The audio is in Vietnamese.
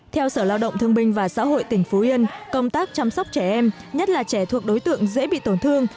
theo sở lao động thương binh và xã hội tỉnh phú yên công tác chăm sóc trẻ em nhất là trẻ thuộc đối tượng dễ bị tổn thương